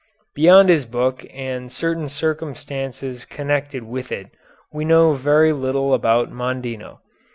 Beyond his book and certain circumstances connected with it we know very little about Mondino.